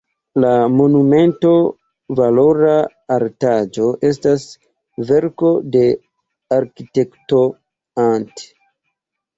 La monumento, valora artaĵo, estas verko de arkitekto Ant.